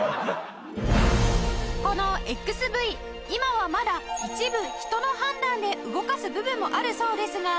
この ＸＶ 今はまだ一部人の判断で動かす部分もあるそうですが